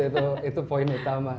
nah itu poin utama